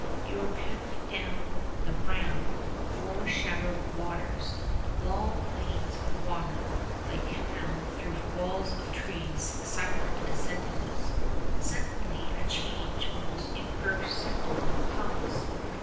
You are paddling down the brown, forest shadowed waters long lanes of water like canals through walls of trees silent as sentinels. Suddenly a change almost imperceptible comes.